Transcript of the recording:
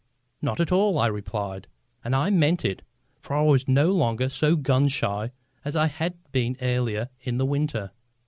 "Not at all," I replied. And I meant it. For I was no longer so gun shy as I had been earlier in the winter.